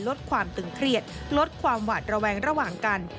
ลดความตึงเครียดลดความหวาดระแวงระหว่างกัน